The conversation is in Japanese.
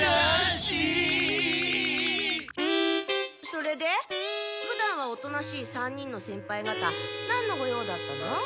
それでふだんはおとなしい３人の先輩方なんのご用だったの？